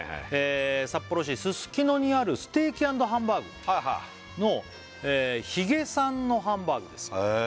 札幌市すすきのにあるステーキ＆ハンバーグのＨＩＧＥさんのハンバーグですへえ